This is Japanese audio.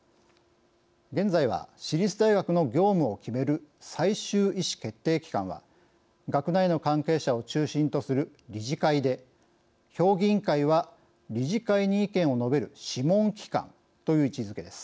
現在は私立大学の業務を決める最終意思決定機関は学内の関係者を中心とする理事会で評議員会は理事会に意見を述べる諮問機関という位置づけです。